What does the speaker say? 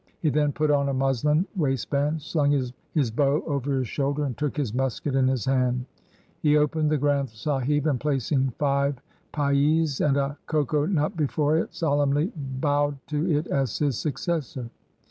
He then put on a muslin waist band, slung his bow on his shoulder and took his musket in his hand. He opened the Granth Sahib and placing five paise and a coco nut before it solemnly bowed to it as his successor.